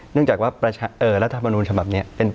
เนื่องจากว่ารัฐธรรมนูญฉบับนี้